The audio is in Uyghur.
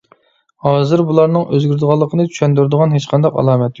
ھازىر بۇلارنىڭ ئۆزگىرىدىغانلىقىنى چۈشەندۈرىدىغان ھېچقانداق ئالامەت يوق.